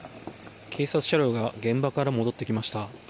警察車両が現場から戻ってきました。